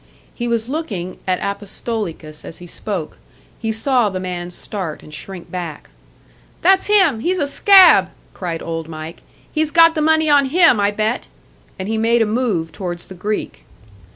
He was looking at Apostolikas as he spoke; he saw the man start and shrink back. "That's him! He's a scab!" cried Old Mike. "He's got the money on him, I bet!" And he made a move towards the Greek.